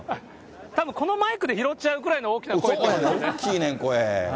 たぶんこのマイクで拾っちゃうくらいの大きさなんですよね。